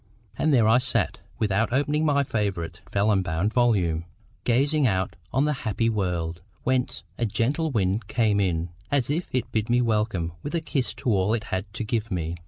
And there I sat, without opening my favourite vellum bound volume, gazing out on the happy world, whence a gentle wind came in, as if to bid me welcome with a kiss to all it had to give me.